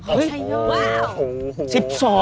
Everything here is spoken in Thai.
เฮ้ยโห